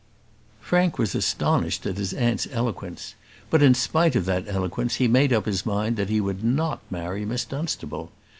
Frank was astonished at his aunt's eloquence; but, in spite of that eloquence, he made up his mind that he would not marry Miss Dunstable.